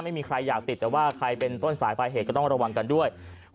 ไม่มีใครอยากติดแต่ว่าใครเป็นต้นสายปลายเหตุก็ต้องระวังกันด้วย